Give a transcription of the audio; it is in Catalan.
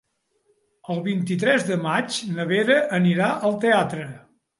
El vint-i-tres de maig na Vera anirà al teatre.